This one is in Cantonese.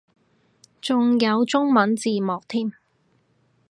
仲有中文字幕添